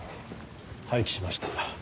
廃棄しました。